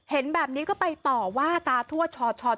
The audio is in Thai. เห็นแบบนี้ก็ไปต่อว่าตาทั่วชช